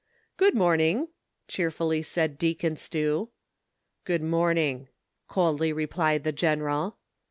"Good morning," cheerfully said Deacon Stew. "Good morning," coldly replied the general.